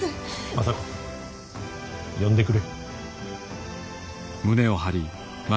政子呼んでくれ。